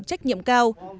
trách nhiệm cao